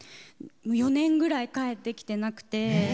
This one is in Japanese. ４年ぐらい帰ってきてなくて。